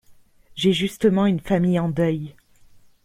J’ai justement une famille en deuil…